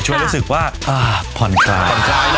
ช่วยรู้สึกว่าอ่าผ่อนคล้าย